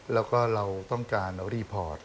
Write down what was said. แล้วก็เราต้องการรีพอร์ต